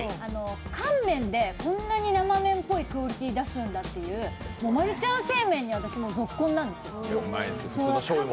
乾麺でこんなに生麺っぽいクオリティーを出すんだという、もうマルちゃん正麺には私ぞっこんなんですよ。